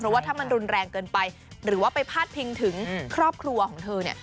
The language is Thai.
ว่าถ้ามันรุนแรงเกินไปหรือว่าไปพาดพิงถึงครอบครัวของเธอเนี่ย